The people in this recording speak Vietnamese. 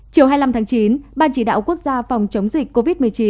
chiều hai mươi năm tháng chín ban chỉ đạo quốc gia phòng chống dịch covid một mươi chín